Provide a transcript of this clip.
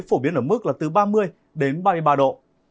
phổ biến ở mức là từ ba mươi đến ba mươi ba độ